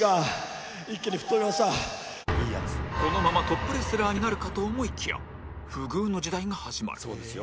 このままトップレスラーになるかと思いきや不遇の時代が始まる